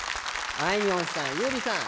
あいみょんさん、優里さん